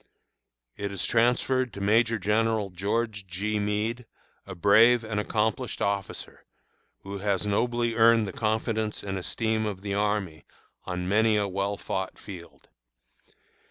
It is transferred to Major General George G. Meade, a brave and accomplished officer, who has nobly earned the confidence and esteem of the army on many a well fought field.